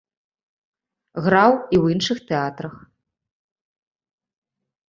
Граў і ў іншых тэатрах.